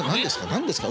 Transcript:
何ですか？